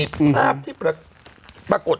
ภาพที่ปรากฏ